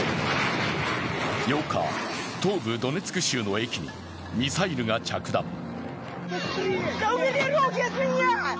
８日、東部ドネツク州の駅にミサイルが着弾。